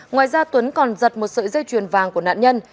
ngoài ra tuấn còn giật một sợi dây chuyền vàng của nạn nhân